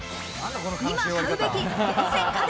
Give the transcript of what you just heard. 今買うべき厳選家電